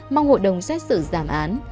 mong hội đồng xét xử giảm án